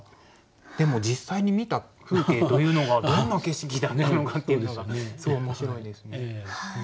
でも実際に見た風景というのがどんな景色だったのかっていうのがすごい面白いですね。